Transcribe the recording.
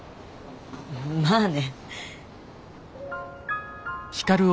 まあね。